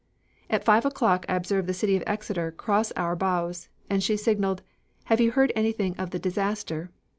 "At five o'clock I observed the City of Exeter cross our bows and she signaled, 'Have you heard anything of the disaster?'